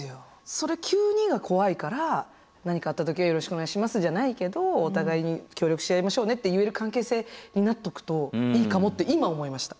それ急にが怖いから「何かあった時はよろしくお願いします」じゃないけど「お互いに協力し合いましょうね」って言える関係性になっておくといいかもって今思いました。